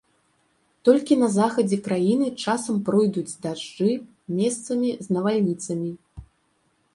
Толькі на захадзе краіны часам пройдуць дажджы, месцамі з навальніцамі.